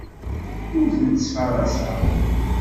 Ur tent-ttfaraseɣ.